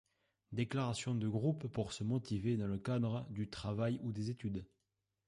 Déclaration de groupe pour se motiver dans le cadre du travail ou des études.